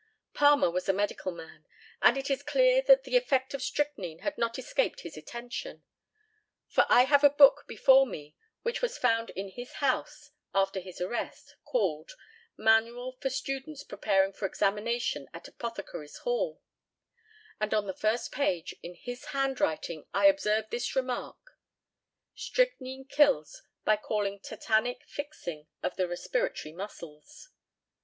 Palmer was a medical man, and it is clear that the effect of strychnine had not escaped his attention; for I have a book before me which was found in his house after his arrest, called Manual for Students Preparing for Examination at Apothecaries' Hall; and on the first page, in his handwriting, I observe this remark, "Strychnine kills by causing tetanic fixing of the respiratory muscles."